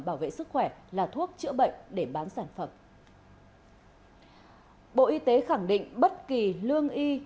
bảo vệ sức khỏe là thuốc chữa bệnh để bán sản phẩm bộ y tế khẳng định bất kỳ lương y